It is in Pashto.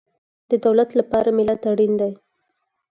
د دولت لپاره ملت اړین دی